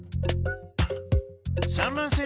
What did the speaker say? ３ばんせん